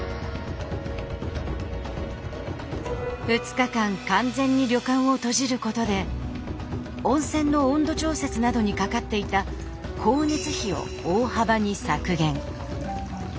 ２日間完全に旅館を閉じることで温泉の温度調節などにかかっていた光熱費を大幅に削減。